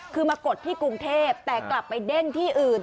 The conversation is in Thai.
คือมากดที่กรุงเทพแต่กลับไปเด้งที่อื่น